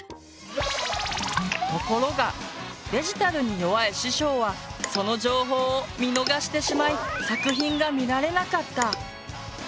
ところがデジタルに弱い師匠はその情報を見逃してしまい作品が見られなかった。